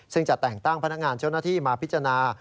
ซึ่งจะแต่งตั้งพนักงานเจ้าหน้าที่มาพิจารณา